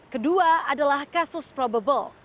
kedua adalah kasus probable